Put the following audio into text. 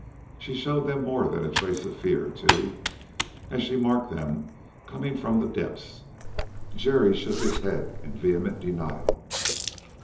She showed them more than a trace of fear, too, as she marked them coming from the depths. Jerry shook his head in vehement denial.